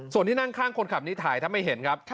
ส่วนที่นั่งข้างคนขับนี้ถ่ายถ้าไม่เห็นครับ